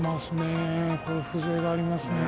風情がありますね。